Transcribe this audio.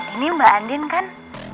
ini mbak andin kan